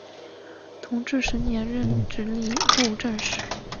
同治十年任直隶布政使。